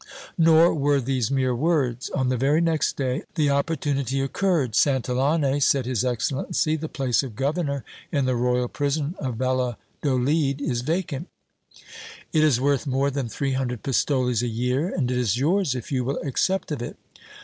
Nor were these mere words. On the very next day, the opportunity occurred. Santillane, said his excellency, the place of governor in the royal prison of Val ladolid is vacant : it is worth more than three hundred pistoles a year ; and is yours if you will accept of it.